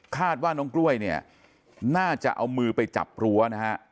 ว่าน้องกล้วยเนี่ยน่าจะเอามือไปจับรั้วนะฮะ